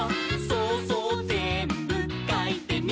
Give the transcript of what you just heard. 「そうそうぜんぶかいてみよう」